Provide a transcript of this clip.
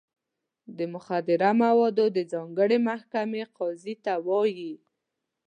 د مخدره موادو د ځانګړې محکمې قاضي ته وایي.